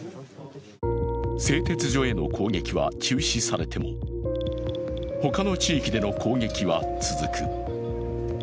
製鉄所への攻撃は中止されても、他の地域での攻撃は続く。